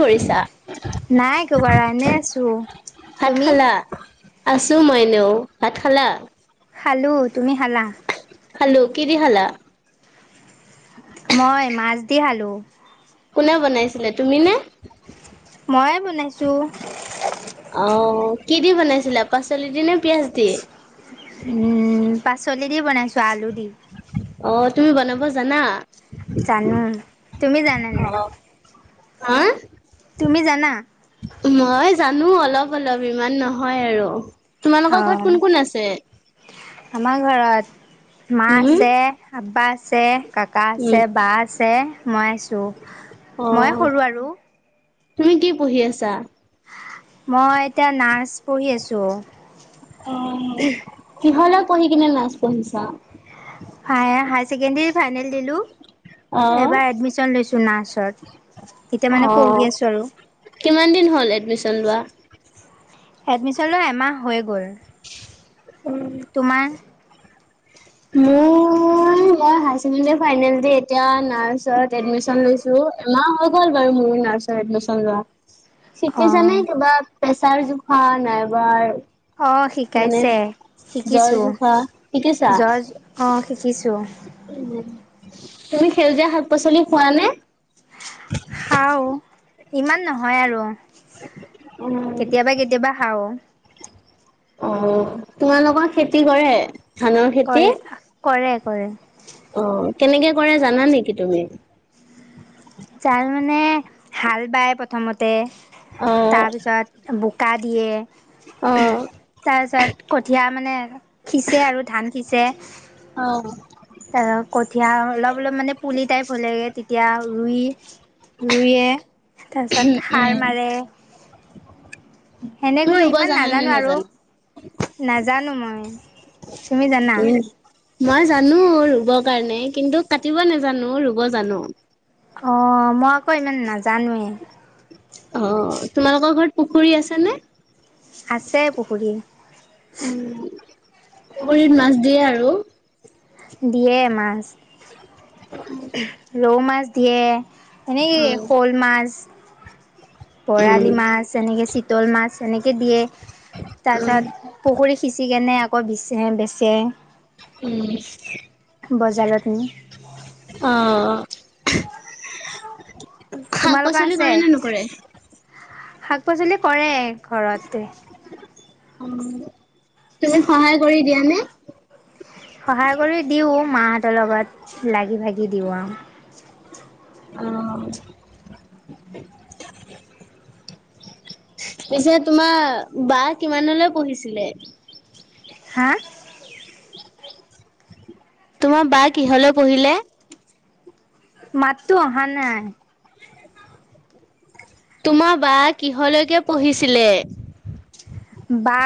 কৰিছা? নাই একো কৰা নে আছোঁ ভাত তুমি খালা? আছো মই এনেও ভাত খালা হেল্লো তুমি খালা খালো কিদি খালা মই মাছদি খালো। কোনে বনাইছিলে তুমি নে? ময়ে বনাইছো। আহ কি দি বনাইছিলা পাচলি দি নে পিয়াঁজ দি? উম পাচলি দি বনাইছো আলু দি অ' তুমি বনাব জানা? জানো তুমি জানা অ, নাই হা তুমি জানা মানুহ অলপ অলপ ইমান নহয় আৰু তোমালোকৰ ঘৰত অ' কোন কোন আছে আমাৰ ঘৰতত মা উম, আছে আ্পা আছে কাকা উম। আছে বা আছে মই আছো মই অহ, সৰু আৰু তুমি কি পঢ়ি আছা মই এতিয়া নাৰ্চ পঢ়ি আছো অ কিহল পঢি কিনে নাচ পঢ়িছা ছেকড ফনেল দিলো অহ, এবাৰ এডমিশন লৈছো নাৰ্চত এতিয়া মানে অহ। পঢ়ি আছো আৰু কিমান দিন হ'ল এডমিশ্যন লোৱা? এডমিশন ল এমাহ হৈ গ'ল তোমাৰ [unintelligible] শিকেছা নাই ক বাত প্ৰেছাৰ অ', জোখা নাইবাৰ অ শিকাইছে শিকিছো জোখা শিকিছা? য অ শিকিছোঁ তুমি সেউজীয়া শাক পাচলি খোৱাানে হাও ইমান নহয় আৰু কেতিয়াবা কেতিয়াবা খাও অ তোমালোকৰ খেতি কৰে ধানৰ খেতি? কৰে কৰে কৰে অ কেনেকে কৰে জানা নেকি তুমি জাল মানে হাল বায় প্ৰথমতে অ' তাৰপিছত ব কা দিয়ে অ' অ' তাৰপিছত কঠিয়া মানে সিঁচে আৰু ধান সিঁচে উম, তাৰ কঠীয়া অলপ অলপ মানে পুলি টাইপ হ'লেগে তেতিয়া ৰুই ৰুইয়ে তাৰপিছত সাৰ মাৰে। তুমি সেনেকৈ ৰুব ইমান জানা নে নাজানো আৰু। নাজানা? নাজানো মই, তুমি জানা? উম, মই জানো ৰুব কাৰণে, কিন্তু কাটিব নাজানো ৰুব জানো। অ', মই আকৌ ইমান নাজানোৱে। অ', তোমালোকৰ ঘৰত পুখুৰী আছে নে? আছে পুখুৰী। পুখুৰিত মাছ দিয়ে আৰু। দিয়ে মাছ। ৰৌ মাছ দিয়ে। হেনেকেই উম, শ'ল মাছ। উম, বৰালি মাছ, এনেকে চিতল মাছ, এনেকে দিয়ে তাৰ পিছত পুখুৰী সিঁচিকেনে আকৌ বিচে-বেচে। উম, নি অ'। তোমালোকৰ শাক-পাচলি আছে? কৰে নে নকৰে? শাক পাচলি কৰে। ঘৰতে। অ', তুমি সহায় কৰি দিয়ানে? সহায় কৰি দিওঁ মাহতৰ লগত, লাগি ভাগি দিওঁ আৰু। অ', পিছে তোমাৰ বা কিমানলৈ পঢ়িছিলে? হা? তোমাৰ বা কিহলে পঢ়িলে? মাতটো অহা নাই। তোমাৰ বা কিহলৈকে পঢ়িছিলে? বা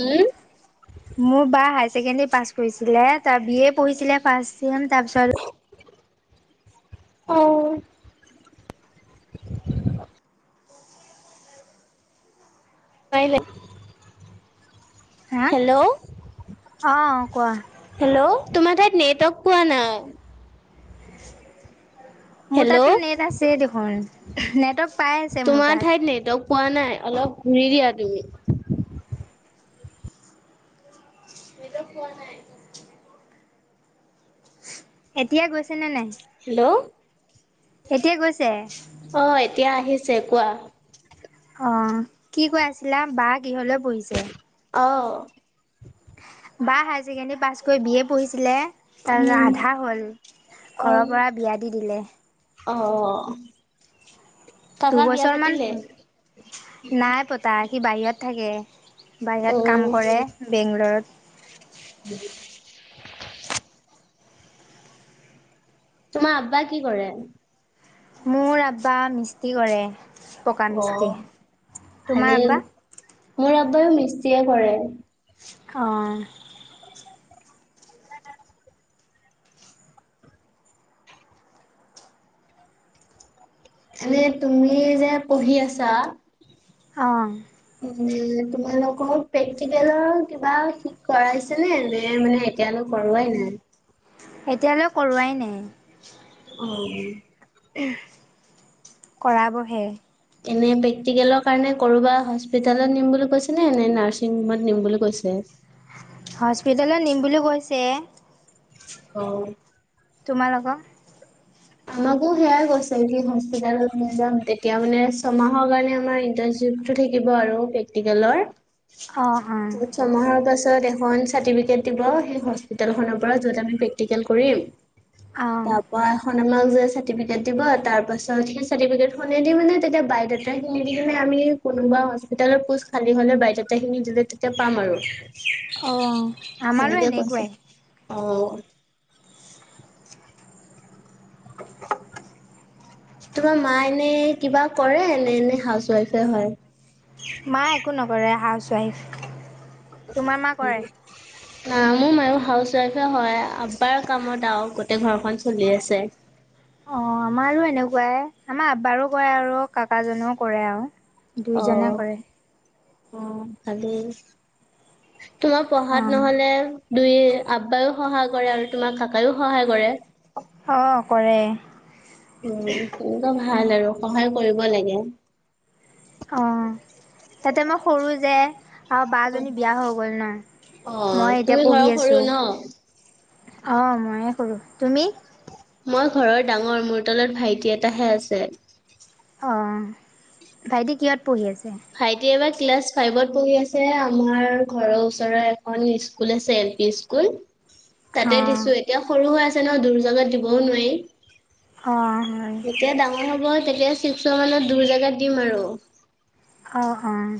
উম মোৰ বা হায়াৰ ছেকেণ্ডাৰী পাছ কৰিছিলে, তাৰ বি এ পঢ়িছিলে পাছ বি এম তাৰ পিছত অ। কাইলে। হা হেল্ল', অ' কোৱা হেল্ল'। তোমাৰ ঠাইত নেটৱৰ্ক পোৱা নাই। মোৰ তাতো হেল্ল' নেট আছেই দেখোন, নেটৱৰ্ক পাই আছে মোৰ তোমাৰ তাত। ঠাইত নেটৱৰ্ক পোৱা নাই। অলপ ঘূৰি দিয়া তুমি। সেইটো ফোৱা নাই এতিয়াাই গৈছে নে নাই? হেল্ল' এতিয়া গৈছে চে কোৱা অ কি কৈ আছিলা বা গৃহলৈ পঢহিছে অঁ বা হায়াৰ ছেকেণ্ডেৰী পাছ কৰি বিয় পঢ়িছিলে তাৰছ উম আধা হ'ল অ ঘৰৰ পৰা বিয়া দি দিলে অ কাকা বিয়া দুবছৰ মান পাতিলে নাই পতাই সি বাহিৰত থাকে অ বাহিৰত কাম কৰে বেংলৰত তোমাৰ আব্বা কি কৰে ি কৰে পকা অ মিস্ত্ৰী তোমাৰ ভালেই বা মোৰ আব্বায়ো মিস্তিয়ীয়ে কৰে অঁ এানে তুমি যে পঢ়ি আছা অ ম তোমালোকৰ প্ৰেক্টিকেলৰ কিবা শিক কৰাইছে নে নে মানে এতিয়ালৈ কৰোৱাই নাই এতিয়ালৈ কৰোৱাই নাই অ কৰা বহে এনে প্ৰেক্টিকেলৰ কাৰণে ক'ৰবা হস্পিিতেলত নিম বুলি কৈছে নে নে নাৰ্ছিং হোমত নিম বুলি কৈছে হস্পিটেলত নিম বুলি কৈছে অ তোমালোকৰ আমাকো সেয়াই কৈছে কি হস্পিৈ যাম তেতিয়া মানে ছমাহৰ কাৰণে আমাৰ ইটাৰটো থাকিব আৰু প্ৰেক্টিকেলৰ অঁ, অঁ, চ মহাহ বাশৰে চাৰ্টিফিকেট দিব সেই হস্পিিতেল খনৰ পৰা যত আমি প্ৰেক্টিকেল কৰিম অঁ, তাৰ পৰাা াক যে চাৰ্টিফিকেট দিব তাৰ পাছত সেই চাৰ্টিফিকেট শুনে দি মানে তেতিয়া বাইড খিনি দি মে আমি কোনোবা হস্পিৰ পোষ্ট খালী হলে বাইড খিনি দিলে তেতিয়া পাম আৰু অ আমাৰো সেনেকে কৈছে। এনেকুৱাই অ', তোমাৰ মা এনে কিবা কৰে নে এনে হাউচৱাইফে হয় মা একো নকৰে হাউচৱাইফ তোমাৰ মা কৰে আহ মোৰ মায়ু হাউচ ৱাইফে হয় আবাৰ কামত আৰু গোটেই ঘৰখন চলি আছে অ আমাৰো এনেকুৱাই আমাৰ আব্বাৰো কৰে আৰু কাকাজও কৰে আৰু দুইজনে অ', কৰে অ ভালী তোমাৰ পঢ়াত অঁ, নহলে দুই আব্বায়ও সহায় কৰে আৰু তোমাৰ কাকায়ও সহায় কৰে অ কৰে উম তেনেকুৱা ভাল আৰু সহায় কৰিব লাগে অ তাতে মই সৰু যে আৰু বজনী বিয়া হৈ গ'ল ন অ', মই এতিয়া তুমি ঘৰৰ পঢ়ি সৰু আছোঁ ন? অ' ময়ে সৰু, তুমি? মই ঘৰৰ ডাঙৰ, মোৰ তলত ভাইটি এটাহে আছে। অ' ভাইটি কিহত পঢ়ি আছে? ভাইটি এইবাৰ ক্লাছ ফাইভত পঢ়ি আছে, আমাৰ ঘৰৰ ওচৰৰ এখন স্কুল আছে, এল পি স্কুল। তাতে অ', দিছো এতিয়া সৰু হৈ আছে। এতিয়া ন' দূৰ জাগাত দিবও নোৱাৰি। অ'। হয়। যেতিয়া ডাঙৰ হ'ব তেতিয়া ছিক্সৰ মানত দূৰ জেগাত দিম আৰু অ', -অ'।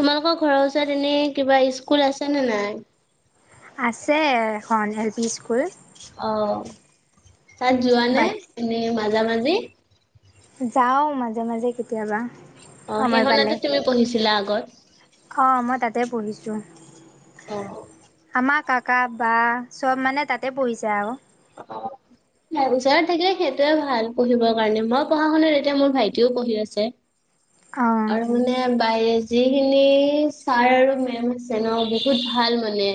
তোমালোকৰ ঘৰৰ ওচৰত এনে কিবা স্কুল আছে নে নাই? আছে এখন এল পি স্কুল। অহ। তাত যোৱা নে এনেই মাজে মাজা-মাজি। যাও মাজে-মাজে কেতিয়া অ' সেইখনতে তুমি পঢ়িছিলা আগত অ' মই তাতে পঢ়িছো। অ'। আমাৰ কাকা বা চব মানে তাতে পঢ়িছে আৰু ওচৰত থাকিলে সেইটোৱে ভাল পঢ়িবৰ কাৰণে, মই পঢ়া খনতে এতিয়া মোৰ ভাইটিও পঢ়ি আছে। অ', আৰু মানে বাহি যিখিনি ছাৰ আৰু মেম আছে ন' বহুত ভাল মানে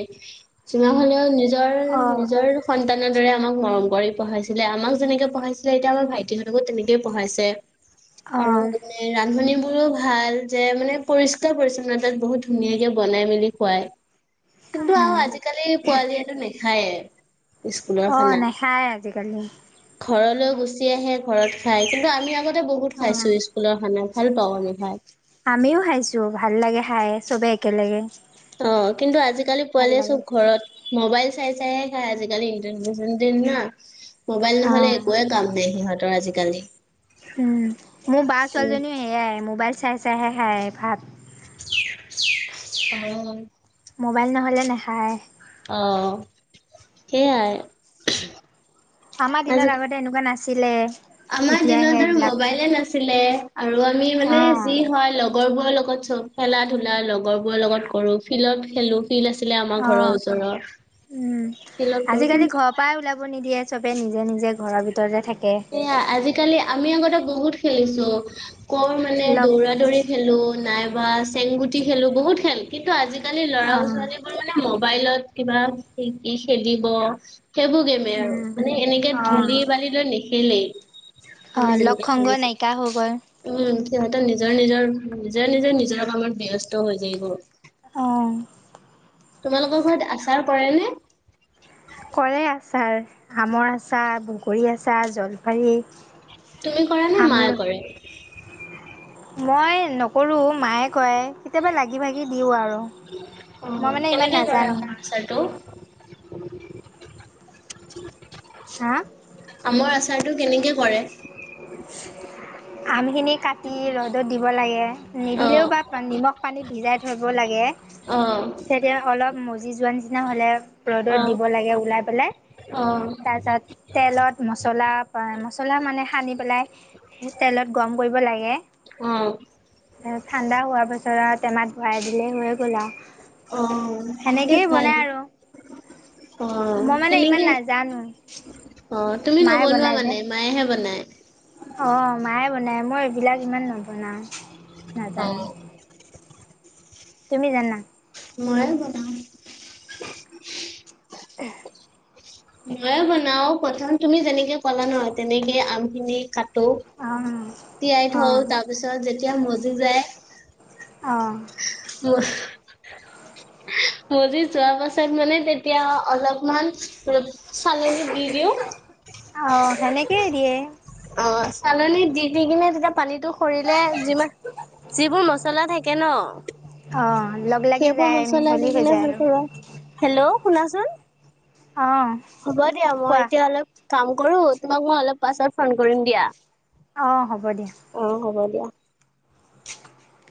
চিনা হলেও নিজৰ নিজৰ অ', নিজৰ সন্তান যেনেদৰে আমাক মৰম কৰি পঢ়াইছিলে, আমাক যেনেকে পঢ়াইছিলে এতিয়া আমাৰ ভাইটিহতঁকো তেনেকেই পঢ়াইছে। আৰু অ', মানে ৰান্ধনিৰ ভাল যে মানে পৰিষ্কাৰ, পৰিচ্ছন্নতাত বহুত ধুনীয়াকে বনাই মেলি খুৱায় কিন্তু আৰু অ'। আজিকালি পোৱালিয়েটো নাখায়েই। অ' নেখায় আজিকালি ঘৰলৈ গুচি আহে ঘৰত খাই কিন্তু আমি আগতে বহুত অ'। খাইছো স্কুলৰ খানা ভাল পাওঁ আমি খাই। আমিও খাইছোঁ, ভাল লাগে খাই, চবে একেলগে। অ' কিন্তু আজিকালি ভাল পোৱালি লাগে, চব ঘৰত ম'বাইল চাই চাইহে খাই আজিকালি ইণ্টাৰনেৰ দিন না মোবাইল নহ'লে অ'। একোৱে কাম নাই সিহঁত। আজিকালি উম' মোৰ বা ছোৱালীজনীও সেয়াই মোবাইল চাই চাইহে খায় ভাত অ ম'বাইল নহ'লে নাখায় আহ সেইয়াই আমাৰ আজি দিনৰ আগতে এনেকুৱা নাছিল আছিলে আমাৰ দিনত আৰু মবাইলে নাছিলে আৰু আমি মানে অ', যি হয় লগ লগৰবোৰৰ লগত চব খেলা ধূলা লগৰবোৰৰ লগত কৰোঁ ফিল্ডত খেলোঁ তিল আছিলে আমাৰ অ', ঘৰৰ উম। ওচৰৰ তিলত গ কি সবে নিজে নিজে ঘৰৰ ভিতৰতে থাকে সেয়া আজিকালি আমি আগতে বহুত খেলিছো কৰ মানে লগ দৌৰা দৌৰি খেলো নাই বা চেংগুটি খেলো বহুত খেল কিন্তু আজিালি আজালি লৰা অ', ছোৱালীবোৰ মানে ম মোবাইলত কিবা খেেলিব সেইবোৰ গেমে আৰু উম, মানে এনেকে অ'। ধূলি বাঢ়ি লৈ নি কেলে অ লক্ষংগ নায়িকা হৈ গল সিহঁতৰ নিজৰ নিজৰ নিজেৰ নিজে নিজৰ কামত ব্যস্ত হৈ যায় গল আহ তোমালোকৰ ঘৰত আচাৰ কৰে নে কৰে আছাৰ আমৰ আচাৰ বগৰী আচাৰ জলফাৰী তুমি কৰা নে আমল মায়ে কৰে মই নকৰোঁ মায়ে কয় কেতিয়াবা লাগি ভাগি দিওঁ আৰু অ মই মানে ইমান কেনেকে কৰে নাজানো অাৰ আচাৰটো হা আমৰ আচাৰটো কেনেকে কৰে? আমখিনি কাটি ৰ'দত দিব লাগে। অ নিদিলেও বা নিমখ পানী ভিজাই থৰিব লাগে। অ। তেতিয়া অলপ মজি যোৱাৰ নিচিনা হ'লে ৰ'দত অ', দিব লাগে উওলাই পেলাই অ', তাৰ পিছত তেলত মছলা মচলা মানে সানি পেলাই তেলত গম কৰিব লাগে। অ', ঠাণ্ডা হোৱাৰ পাছত আৰু টেমাত ভৰাই দিলেই হৈয়ে গ'ল আৰু, অ সেনেকে সেনেকেই ভাল বনাই আৰু, অ', মই মানে সেনেকে ইমান নাজানো অ তুমি মায়ে নবনোৱা বনাই যে। মানে মায়েহে বনায়। অ', মায়ে বনাই মই এইবিলাক ইমান নবনাওঁ। নাজান অ', তুমি জানা? ময় বনাওঁ। উ। মইয়ে বনাও প্ৰথম তুমি যেনেকে ক'লা নহয় তেনেকে আম খিনি কাট আম তিয়াই থৈ তাৰ পিছত যেতিয়া মজি যায়। অঁ। ম মজি যোৱা পাছত মানে তেতিয়া অলপমান চালনীত দি দিওঁ অ, সেনেকেই দিয়ে। অ, চালনী দি-দি কিনে জেতিয়া পানীতটো সৰিলে যিমান-যিবোৰ মচলা থাকে ন অ', লগ লাগি সেইবোৰ যায় মচলা মিহলি দি হৈ কিনে যায় ভাল আৰু পা হেল্ল' শুনাচোন। অ', হ'ব দিয়া মই কোৱা এতিয়া অলপ কাম কৰো তোমাক মই অলপ পাছত ফোন কৰিম দিয়া। অ', হ'ব দিয়া। অ হ'ব দিয়া। উম।